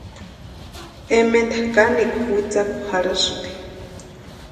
Ementa kanekwa witsakwa jarhasïnti.